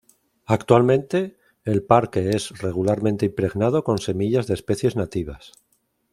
Actualmente, el parque es regularmente impregnado con semillas de especies nativas.